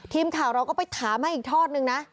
ทีมข่าวเราก็ไปถามให้อีกทอดนึงนะ